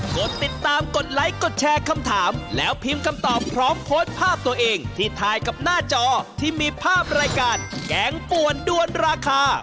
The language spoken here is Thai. กดติดตามกดไลค์กดแชร์คำถามแล้วพิมพ์คำตอบพร้อมโพสต์ภาพตัวเองที่ถ่ายกับหน้าจอที่มีภาพรายการแกงป่วนด้วนราคา